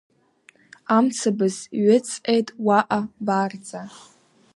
Амцабз ҩыҵҟьеит уаҟа барҵа…